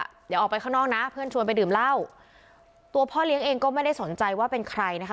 เดี๋ยวออกไปข้างนอกนะเพื่อนชวนไปดื่มเหล้าตัวพ่อเลี้ยงเองก็ไม่ได้สนใจว่าเป็นใครนะคะ